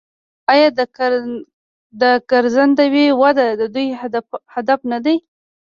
آیا د ګرځندوی وده د دوی هدف نه دی؟